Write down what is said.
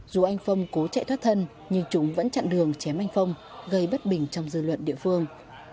dù anh phong cố chạy thoát thân nhưng chúng vẫn chặn đường chém anh phong gây bất bình trong dư luận địa phương